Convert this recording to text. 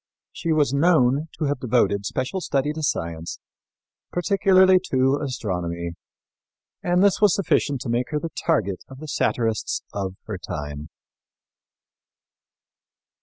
She was known to have devoted special study to science, particularly to astronomy, and this was sufficient to make her the target of the satirists of her time.